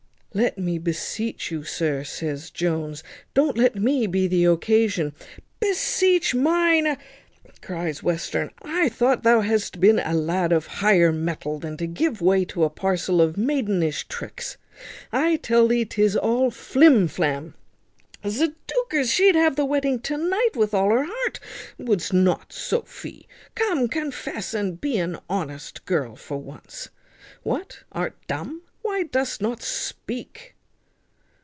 "Let me beseech you, sir," says Jones, "don't let me be the occasion" "Beseech mine a ," cries Western. "I thought thou hadst been a lad of higher mettle than to give way to a parcel of maidenish tricks. I tell thee 'tis all flimflam. Zoodikers! she'd have the wedding to night with all her heart. Would'st not, Sophy? Come, confess, and be an honest girl for once. What, art dumb? Why dost not speak?"